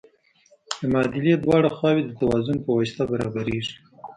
د معادلې دواړه خواوې د توازن په واسطه برابریږي.